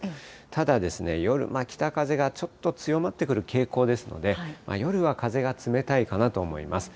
ただ夜、北風がちょっと強まってくる傾向ですので、夜は風が冷たいかなと思います。